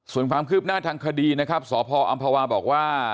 ส่วนความคืบหน้าทางคดีนะครับสพอำภาวาบอกว่า